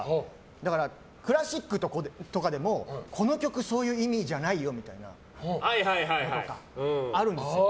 だから、クラシックとかでもこの曲そういう意味じゃないよみたいなのとかあるんですよ。